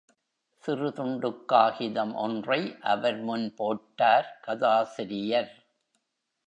சிறு துண்டுக் காகிதம் ஒன்றை அவர் முன் போட்டார் கதாசிரியர்.